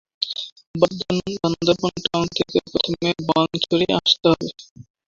Bandarban town থেকে প্রথমে রোয়াংছড়ি আসতে হবে।